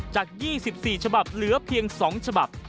จาก๒๔ฉบับเหลือเพียง๒ฉบับ